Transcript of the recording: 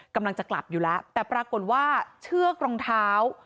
กำลังจะกลับอยู่แล้วแต่ปรากฏว่าเชือกรองเท้า